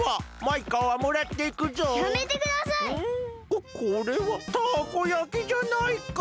ここれはたこ焼きじゃないか！